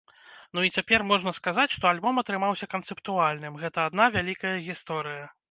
Ну, і цяпер можна сказаць, што альбом атрымаўся канцэптуальным, гэта адна вялікая гісторыя.